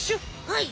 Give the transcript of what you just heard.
はい。